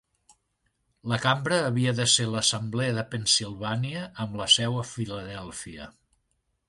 La cambra havia de ser l'assemblea de Pennsilvània amb la seu a Filadèlfia.